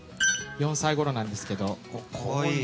４歳ごろなんですけど。